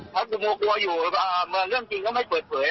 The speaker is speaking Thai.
ถ้ากูโมกลัวอยู่เรื่องจริงก็ไม่เปิดเผย